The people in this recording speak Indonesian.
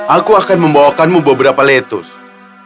aku akan membawakanmu beberapa lettuce